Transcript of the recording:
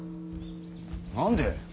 何で？